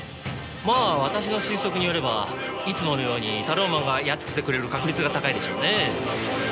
まあ私の推測によればいつものようにタローマンがやっつけてくれる確率が高いでしょうね。